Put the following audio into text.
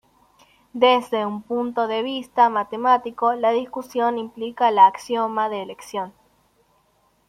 Desde un punto de vista matemático la discusión implica el axioma de elección.